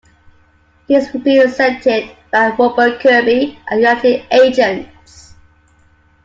He is represented by Robert Kirby at United Agents.